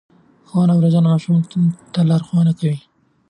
ښوونه او روزنه ماشوم ته لارښوونه کوي.